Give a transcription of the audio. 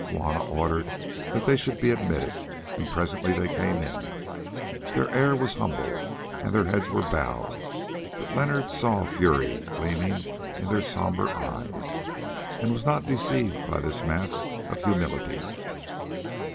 Juanna ordered that they should be admitted, and presently they came in. Their air was humble, and their heads were bowed; but Leonard saw fury gleaming in their sombre eyes, and was not deceived by this mask of humility.